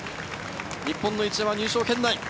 日本の一山、入賞圏内。